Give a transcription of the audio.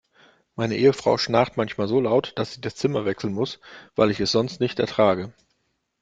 Meine Ehefrau schnarcht manchmal so laut, dass ich das Zimmer wechseln muss, weil ich es sonst nicht ertrage.